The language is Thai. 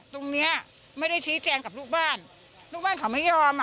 คุณเอาไปไหวมั้ยเมื่อคืนนี้